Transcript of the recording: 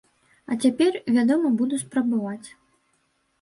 А цяпер, вядома, буду спрабаваць.